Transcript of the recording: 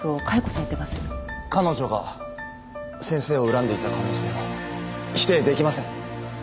彼女が先生を恨んでいた可能性は否定できません。